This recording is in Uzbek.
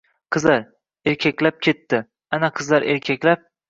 — Qizlar... erkaklab ketdi! Ana, qizlar erkaklab